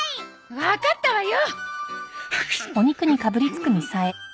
わかったわよ！